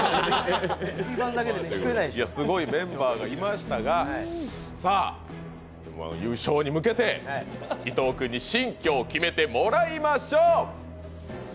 すごいメンバーがいましたがさぁ、Ｍ−１優勝に向けて、伊藤君に新居を決めてもらいましょう。